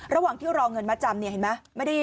ระหว่างที่รอเงินมาจำเนี่ยเห็นไหม